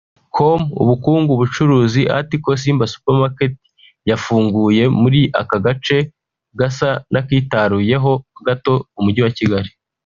com/ubukungu/ubucuruzi/article/simba-super-market-yafunguye muri aka gace gasa n’akitaruyeho gato Umujyi wa Kigali